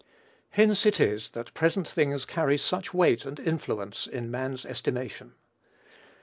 Hence it is that present things carry such weight and influence in man's estimation.